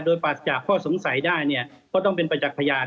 โดยปัดจากข้อสงสัยได้เนี่ยก็ต้องเป็นประจักษ์พยาน